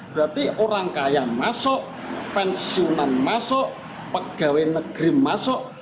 berarti orang kaya masuk pensiunan masuk pegawai negeri masuk